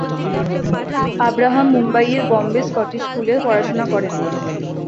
Abraham মুম্বাইয়ের Bombay Scottish স্কুলে পড়াশোনা করেন।